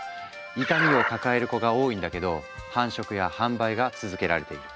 痛みを抱える子が多いんだけど繁殖や販売が続けられている。